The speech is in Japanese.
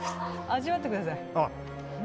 味わってください！